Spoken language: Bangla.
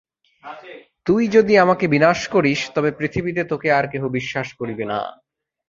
তুই যদি আমাকে বিনাশ করিস্, তবে পৃথিবীতে তােকে আর কেহ বিশ্বাস করিবে না।